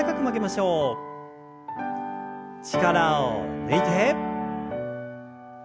力を抜いて。